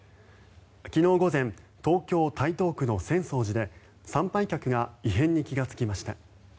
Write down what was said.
昨日午前東京・台東区の浅草寺で参拝客が異変に気がつきました。